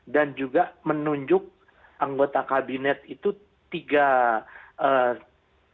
dan juga menunjuk anggota kabinet itu tiga orang